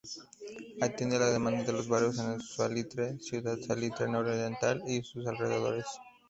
Atiende la demanda de los barrios El Salitre, Ciudad Salitre Nororiental y sus alrededores.